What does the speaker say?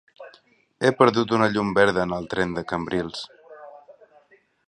He perdut una llum verda en el tren de Cambrils.